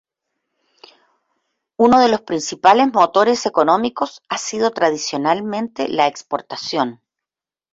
Uno de sus principales motores económicos ha sido tradicionalmente la exportación.